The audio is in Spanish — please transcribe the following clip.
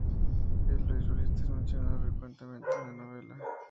El beisbolista es mencionado frecuentemente en la novela.